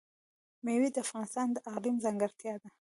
مېوې د افغانستان د اقلیم ځانګړتیا ده.